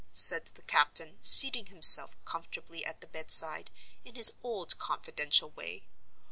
said the captain, seating himself comfortably at the bedside, in his old confidential way.